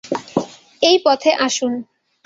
এই পথে আসুন।